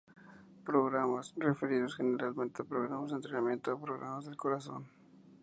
Programas: Referidos generalmente a programas de entretenimiento o programas del corazón.